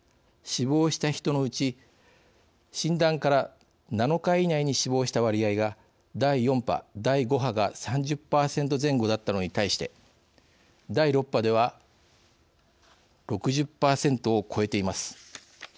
死亡した人のうち診断から７日以内に死亡した割合が第４波、第５波が３０％前後だったのに対して第６波では６０％を超えています。